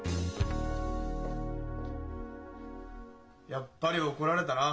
やっぱり怒られたな。